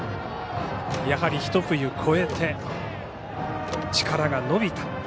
やはり、ひと冬越えて力が伸びた。